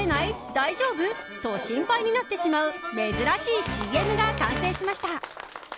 大丈夫？と心配になってしまう珍しいＣＭが完成しました。